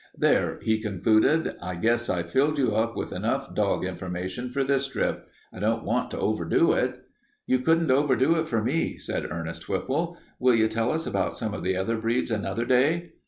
There," he concluded, "I guess I've filled you up with enough dog information for this trip. I don't want to overdo it." "You couldn't overdo it for me," said Ernest Whipple. "Will you tell us about some of the other breeds another day?"